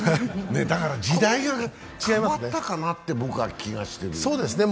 だから時代が変わったかなと僕は気がしてる。